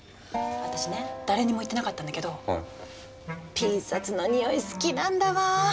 私ね誰にも言ってなかったんだけどピン札の匂い好きなんだわあ。